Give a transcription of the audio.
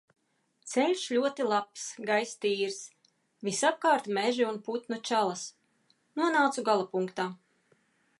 Ceļš ļoti labs, gaiss tīrs, visapkārt meži un putnu čalas. Nonācu galapunktā.